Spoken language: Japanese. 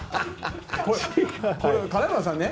金村さん